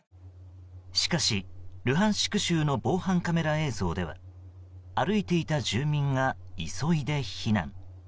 しかし、ルハンシク州の防犯カメラ映像では歩いていた住民が急いで避難。